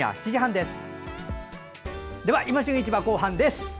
では、「いま旬市場」後半です。